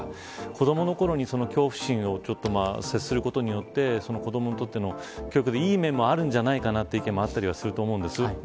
子どものころに恐怖心に接することによって子どもにとって教育にいい面もあるんじゃないかなという意見もあったりするわけです。